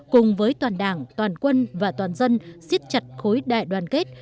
cùng với toàn đảng toàn quân và toàn dân siết chặt khối đại đoàn kết